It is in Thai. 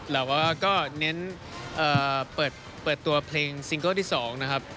เราก็เน้นเปิดตัวเพลงซิงเกิลที่๒นะครับ